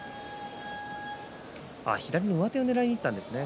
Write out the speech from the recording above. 左の上手をねらいにいったんですね。